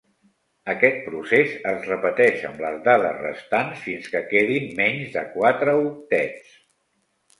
Aquest procés es repeteix amb les dades restants fins que quedin menys de quatre octets.